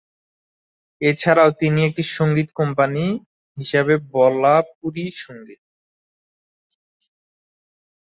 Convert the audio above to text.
এছাড়াও তিনি একটি সঙ্গীত কোম্পানী হিসাবে বলা পুরি সঙ্গীত।